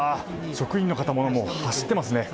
職員の方も走っていますね。